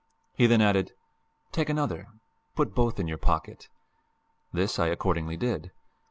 He then added, "Take another; put both in your pocket." This I accordingly did.